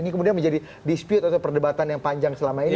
ini kemudian menjadi dispute atau perdebatan yang panjang selama ini